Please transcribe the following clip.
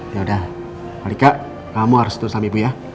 yaudah alika kamu harus tersambung sama ibu ya